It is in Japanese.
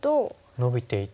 ノビていって。